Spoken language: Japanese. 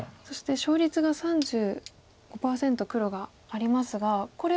そして勝率が３５％黒がありますがこれは。